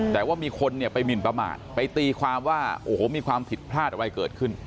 แต่ว่ามีคนเนี่ยไปหมินประมาทไปตีความว่าโอ้โหมีความผิดพลาดอะไรเกิดขึ้น